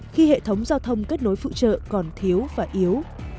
khi hệ thống giao thông kết nối phụ trợ còn thiếu và yếu